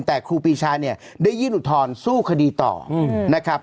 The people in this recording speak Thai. แต่ครูปีชาเนี่ยได้ยื่นอุทธรณ์สู้คดีต่อนะครับ